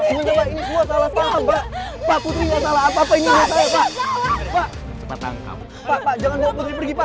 sebenarnya ini semua salah paham pak